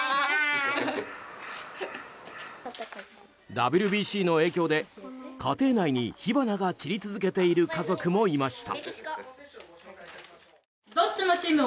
ＷＢＣの影響で家庭内に火花が散り続けている家族もいました。